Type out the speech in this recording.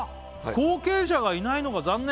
「後継者がいないのが残念」